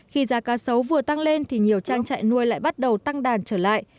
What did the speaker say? khi giá cá sấu vừa tăng lên thì nhiều trang trại nuôi lại bắt đầu tăng đàn trở lại